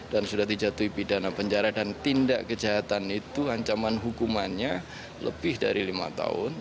dan sudah dijatuhi pidana penjara dan tindak kejahatan itu ancaman hukumannya lebih dari lima tahun